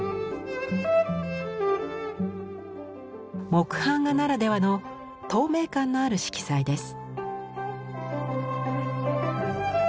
木版画ならではの透明感のある色彩です。